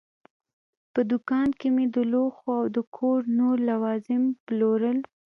په دوکان کې مې د لوښو او د کور نور لوازم پلورل.